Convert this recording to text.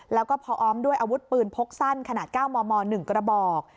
แล้วก็พร้อมด้วยอาวุธปืนพกสั้นขนาดเก้ามหนึ่งกระบอก